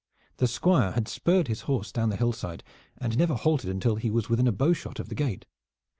The Squire had spurred his horse down the hillside and never halted until he was within a bowshot of the gate.